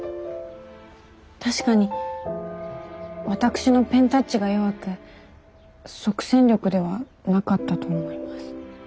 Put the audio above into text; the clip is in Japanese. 確かに私のペンタッチが弱く即戦力ではなかったと思います。